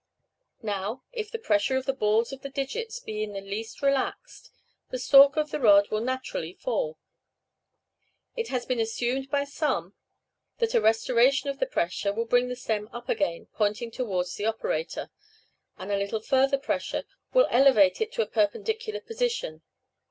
Now, if the pressure of the balls of the digits be in the least relaxed, the stalk of the rod will naturally fall. It has been assumed by some, that a restoration of the pressure will bring the stem up again, pointing towards the operator, and a little further pressure will elevate it into a perpendicular position.